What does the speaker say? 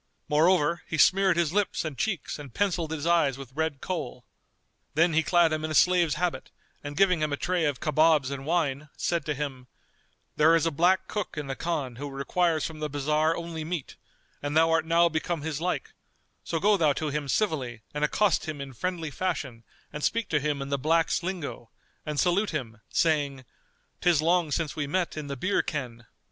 Moreover, he smeared his lips and cheeks and pencilled his eyes with red Kohl.[FN#235] Then he clad him in a slave's habit and giving him a tray of kabobs and wine, said to him, "There is a black cook in the Khan who requires from the bazar only meat; and thou art now become his like; so go thou to him civilly and accost him in friendly fashion and speak to him in the blacks' lingo, and salute him, saying, 'Tis long since we met in the beer ken.